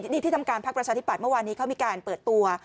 นี่ที่ทำการพักประชาธิบัตย์เมื่อวานนี้เขามีการเปิดตัว